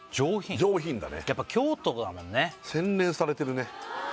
上品だねやっぱ京都だもんね洗練されてるね